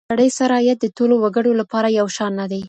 د سړي سر عايد د ټولو وګړو لپاره يو شان نه دی.